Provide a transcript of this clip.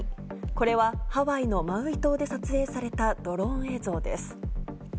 これはハワイのマウイ島で撮影されたドローン映像です。